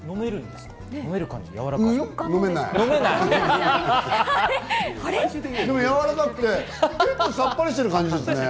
でも、やわらかくて結構さっぱりしてる感じですね。